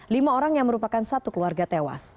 lima orang yang merupakan satu keluarga tewas